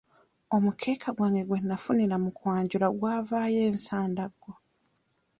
Omukeeka gwange gwe nafunira mu kwanjula gwavaayo ensandaggo.